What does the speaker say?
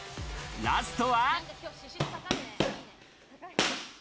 ラストは。